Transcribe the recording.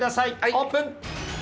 オープン。